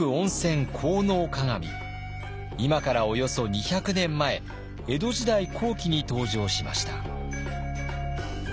今からおよそ２００年前江戸時代後期に登場しました。